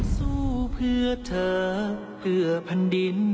สู้เพื่อเธอเพื่อแผ่นดิน